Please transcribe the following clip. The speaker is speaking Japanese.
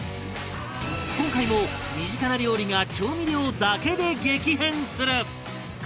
今回も身近な料理が調味料だけで激変する